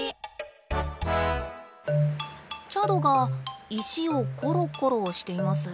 チャドが石をころころしています。